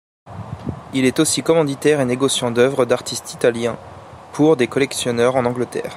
Il est aussi commanditaire et négociant d’œuvres d'artistes italiens pour des collectionneurs en Angleterre.